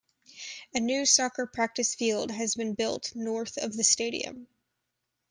A new Soccer Practice Field has been built north of the stadium.